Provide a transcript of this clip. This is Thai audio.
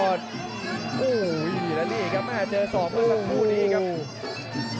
โอ้โหแล้วนี่ครับแม่เจอศอกเมื่อสักครู่นี้ครับ